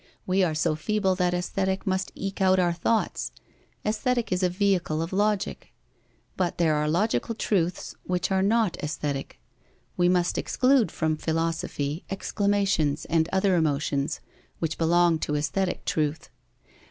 We are so feeble that Aesthetic must eke out our thoughts. Aesthetic is a vehicle of Logic. But there are logical truths which are not aesthetic. We must exclude from philosophy exclamations and other emotions, which belong to aesthetic truth.